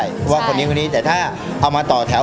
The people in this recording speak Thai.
เพราะว่าคนนี้คนนี้แต่ถ้าเอามาต่อแถว